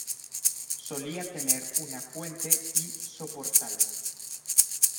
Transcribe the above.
Solía tener una fuente y soportales.